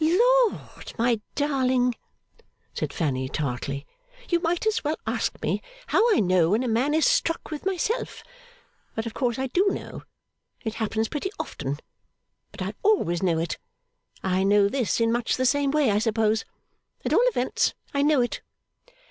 'Lord, my darling,' said Fanny, tartly. 'You might as well ask me how I know when a man is struck with myself! But, of course I do know. It happens pretty often: but I always know it. I know this in much the same way, I suppose. At all events, I know it.